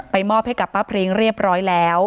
มอบให้กับป้าพริ้งเรียบร้อยแล้ว